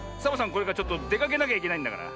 これからちょっとでかけなきゃいけないんだから。